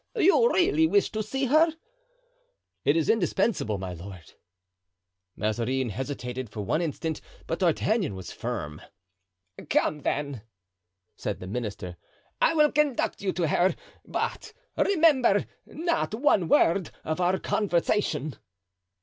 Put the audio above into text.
"You really wish to see her?" "It is indispensable, my lord." Mazarin hesitated for one instant, but D'Artagnan was firm. "Come, then," said the minister; "I will conduct you to her, but remember, not one word of our conversation."